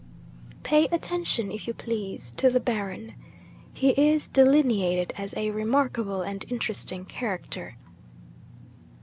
'Pay attention, if you please, to the Baron. He is delineated as a remarkable and interesting character.